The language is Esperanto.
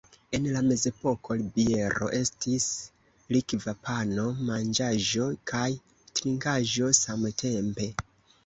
En la mezepoko biero estis likva pano: manĝaĵo kaj trinkaĵo samtempe.